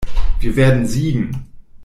Wir werden siegen!